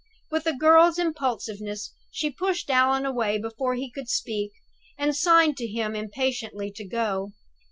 With a girl's impulsiveness she pushed Allan away before he could speak, and signed to him impatiently to go.